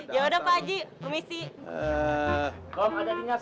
ya udah pak haji permisi